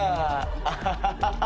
アハハハ！